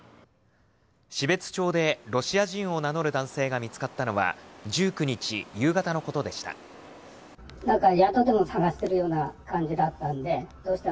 標津町でロシア人を名乗る男性が見つかったのは、１９日夕方のことでした。